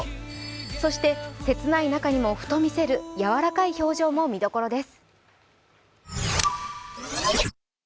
そして切ない中にもふと見せる柔らかい表情も見どころです。